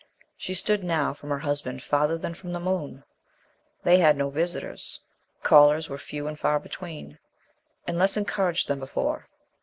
She stood now from her husband farther than from the moon. They had no visitors. Callers were few and far between, and less encouraged than before.